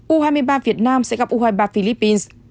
u hai mươi ba việt nam sẽ gặp u hai mươi ba philippines